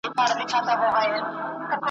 شپه تر سهاره پر لمبو ګرځې `